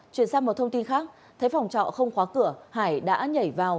chuyển sang một thông tin khác thấy phòng trọ không khóa cửa hải đã nhảy vào